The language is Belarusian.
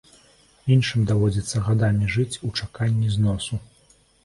Іншым даводзіцца гадамі жыць у чаканні зносу.